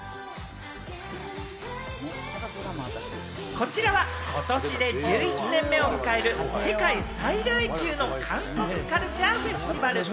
こちらは今年で１１年目を迎える世界最大級の韓国カルチャーフェスティバル。